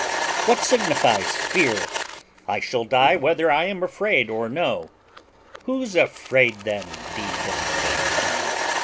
What signifies fear? I shall die whether I am afraid or no: who's afraid then, d n me?"